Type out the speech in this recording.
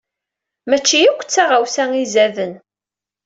Mačči akk d taɣawsa izaden.